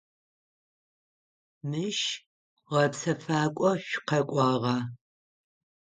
Мыщ гъэпсэфакӏо шъукъэкӏуагъа?